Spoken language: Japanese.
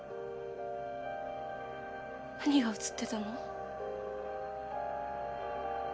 何が写ってたの？